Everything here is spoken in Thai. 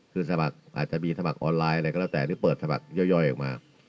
คือสมัครอาจจะมีสมัครออนไลน์อะไรก็แล้วแต่ที่เปิดสมัครย่อยออกมา